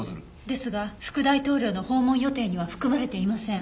ですが副大統領の訪問予定には含まれていません。